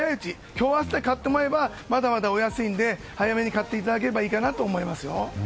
今日明日で買ってもらえればまだ安いので早めに買っていただければなと思いますよ。